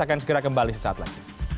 akan segera kembali sesaat lagi